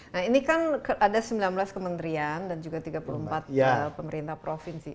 nah ini kan ada sembilan belas kementerian dan juga tiga puluh empat pemerintah provinsi